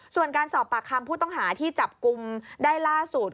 ส่วนการสอบปากคำผู้ต้องหาที่จับกลุ่มได้ล่าสุด